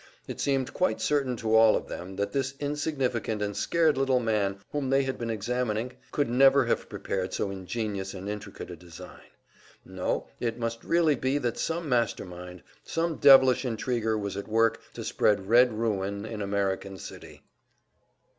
It seemed quite certain to all of them that this insignificant and scared little man whom they had been examining could never have prepared so ingenious and intricate a design. No, it must really be that some master mind, some devilish intriguer was at work to spread red ruin in American City!